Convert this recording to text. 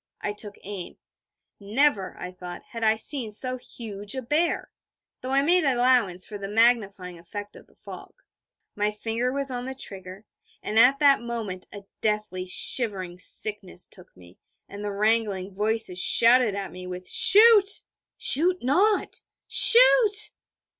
I took aim. Never, I thought, had I seen so huge a bear though I made allowance for the magnifying effect of the fog. My finger was on the trigger: and at that moment a deathly shivering sickness took me, the wrangling voices shouted at me, with 'Shoot!' 'Shoot not!' 'Shoot!'